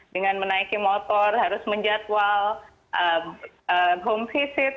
dengan menaiki motor harus menjadwal home visit